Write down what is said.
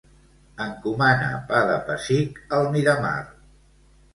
Encomana pa de pessic al Miramar.